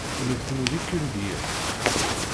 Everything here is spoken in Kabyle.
Nutni d Ikurdiyen.